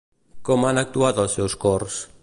Com han actuat els seus cors?